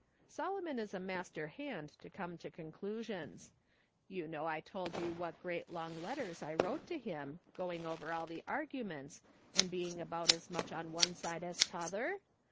" Solomon is a master hand to come to conclusions; you know I told you what great long letters I wrote to him, going over all the arguments, and being about as much on one side as t'other